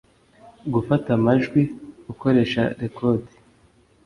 Gufata amajwi ukoresha rekodi.